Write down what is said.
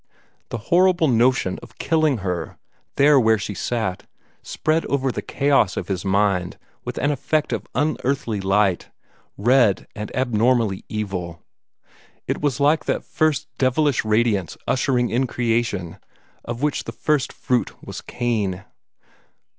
The horrible notion of killing her, there where she sat, spread over the chaos of his mind with an effect of unearthly light red and abnormally evil. It was like that first devilish radiance ushering in Creation, of which the first fruit was Cain.